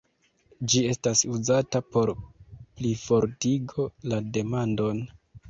Ĝi estas uzata por plifortigo la demandon.